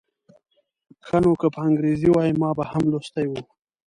ښه نو که په انګریزي وای ما به هم لوستی و.